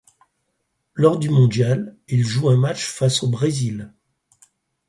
Lors du mondial, il joue un match face au Brésil.